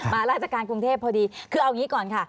ราชการกรุงเทพพอดีคือเอาอย่างนี้ก่อนค่ะ